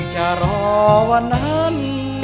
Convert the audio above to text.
จะรอวันนั้น